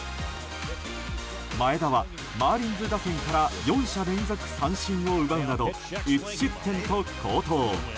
前田は、マーリンズ打線から４者連続三振を奪うなど１失点と好投。